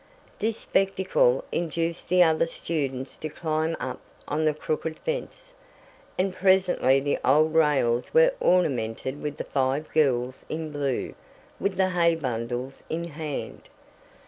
This spectacle induced the other students to climb up on the crooked fence, and presently the old rails were ornamented with the five girls in blue, with the hay bundles in hand!